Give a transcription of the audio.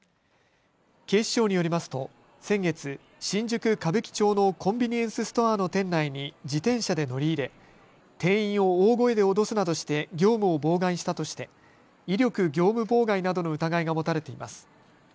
警視庁によりますと先月、新宿歌舞伎町のコンビニエンスストアの店内に自転車で乗り入れ店員を大声で脅すなどして業務を妨害したとして威力業務妨害などの疑いが持たれています。